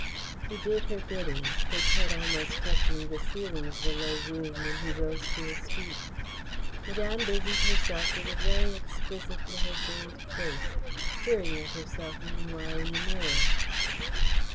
He did her bidding, his head almost touching the ceiling of the low room when he rose to his feet. Madame busied herself with a very exquisite little gold case, peering at herself meanwhile in the mirror.